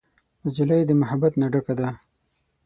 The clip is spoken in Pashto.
نجلۍ د محبت نه ډکه ده.